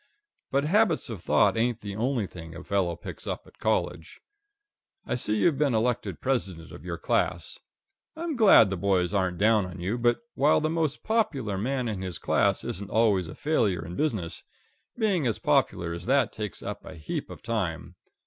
But habits of thought ain't the only thing a fellow picks up at college. I see you've been elected President of your class. I'm glad the boys aren't down on you, but while the most popular man in his class isn't always a failure in business, being as popular as that takes up a heap of time.